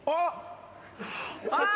あっ！